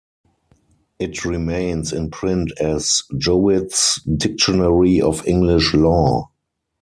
It remains in print as "Jowitt's Dictionary of English Law".